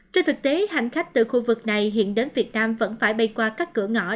trên thực tế hành khách từ khu vực này hiện đến việt nam vẫn phải bay qua các cửa ngõ